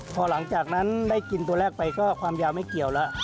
พอหลังจากนั้นได้กินตัวแรกไปก็ความยาวไม่เกี่ยวแล้ว